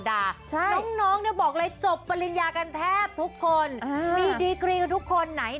ถ้าผ่านไปจะได้อังเป่ากันไปเลย